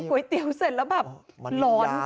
ก๋วยเตี๋ยวเสร็จแล้วแบบหลอนอะไรรึเปล่า